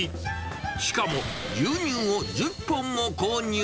しかも、牛乳を１０本も購入。